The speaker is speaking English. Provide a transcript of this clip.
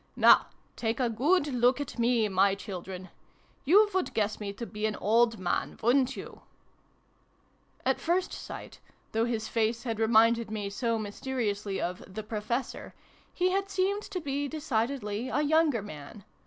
" Now take a good look at me, my children ! You would guess me to be an old man, wouldn't you ?" At first sight, though his face had reminded me so mysteriously of " the Professor/' he had seemed to be decidedly a younger man : XI] THE MAN IN THE MOON.